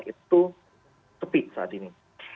itu tepi saat ini